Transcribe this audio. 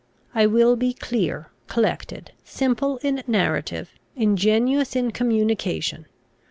I will be clear, collected, simple in narrative, ingenuous in communication.